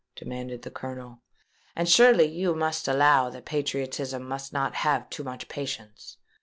demanded the Colonel. "And surely you must allow that patriotism must not have too much patience.